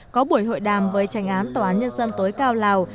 có buổi hội đàm với tranh án tòa án nhân dân tối cao lào